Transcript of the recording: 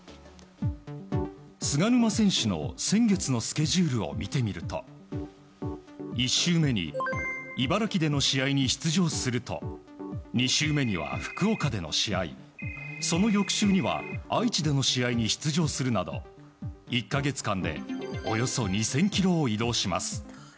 菅沼選手の先月のスケジュールを見てみると１週目に茨城での試合に出場すると２週目には福岡での試合その翌週には愛知での試合に出場するなど１か月間でおよそ２０００ｋｍを移動します。